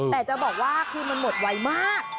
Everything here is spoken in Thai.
แต่จะบอกว่าคือมันหมดไวมาก